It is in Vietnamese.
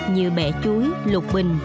như bẻ chuối lục bình